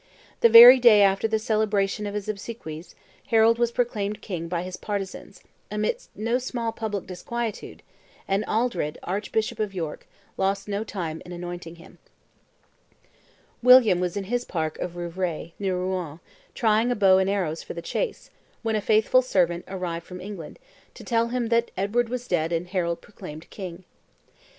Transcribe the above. The very day after the celebration of his obsequies, Harold was proclaimed king by his partisans, amidst no small public disquietude, and Aldred, archbishop of York, lost no time in anointing him. William was in his park of Rouvray, near Rouen, trying a bow and arrows for the chase, when a faithful servant arrived from England, to tell him that Edward was dead and Harold proclaimed king.